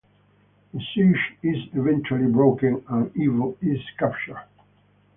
The siege is eventually broken and Ivo is captured.